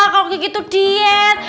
kalo gigi tuh diet